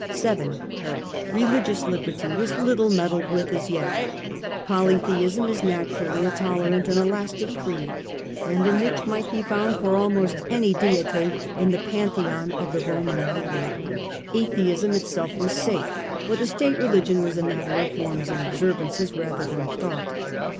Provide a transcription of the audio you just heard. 7. Religious liberty was little meddled with as yet. Polytheism is naturally a tolerant and elastic creed, and a niche might be found for almost any deity Reiigiom in the Pantheon of the Roman ruler. Atheism liberty, itself was safe, for the state religion was a matter of forms and observances rather than of thought.